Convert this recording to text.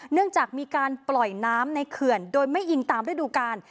เนื่องจากมีการปล่อยน้ำในเขื่อนโดยไม่อิงตามฤดูกาล